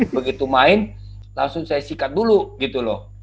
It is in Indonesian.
begitu main langsung saya sikat dulu gitu loh